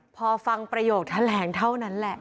พอฟังประโยคแถลงเท่านั้นแหละ